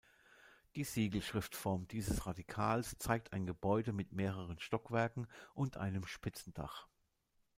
Die Siegelschriftform dieses Radikals zeigt ein Gebäude mit mehreren Stockwerken und einem spitzen Dach.